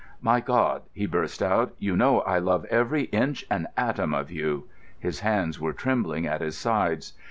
"My God!" he burst out, "you know I love every inch and atom of you." His hands were trembling at his sides.